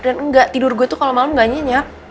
dan enggak tidur gue tuh kalo malem gak nyenyak